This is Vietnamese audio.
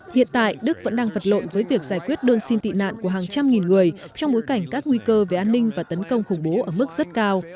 hiện tại đức vẫn đang vật lộn với việc giải quyết đơn xin tị nạn của hàng trăm nghìn người trong bối cảnh các nguy cơ về an ninh và tấn công khủng bố ở mức rất cao